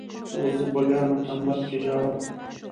اوس زه په ګرمه کمبل کې ژاړم.